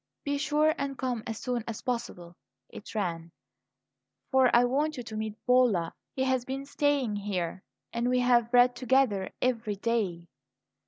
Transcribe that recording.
"Be sure and come as soon as possible," it ran, "for I want you to meet Bolla. He has been staying here, and we have read together every day."